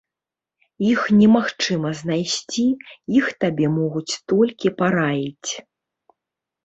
Іх немагчыма знайсці, іх табе могуць толькі параіць.